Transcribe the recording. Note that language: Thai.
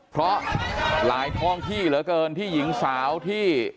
เพราะหลายท้องที่เหลือเกินที่หญิงสาวที่